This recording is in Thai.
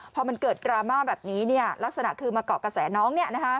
พอมันเกิดดราม่าแบบนี้ลักษณะคือมาเกาะกระแสน้อง